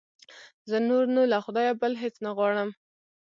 زه نور نو له خدایه بل هېڅ نه غواړم.